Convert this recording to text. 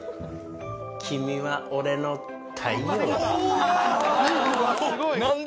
君は俺の太陽や。